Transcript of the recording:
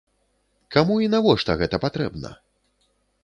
Каму і навошта гэта патрэбна?